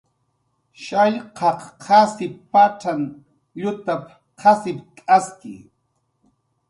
"Shallqaq qasip patzan llutap"" qasipt'aski"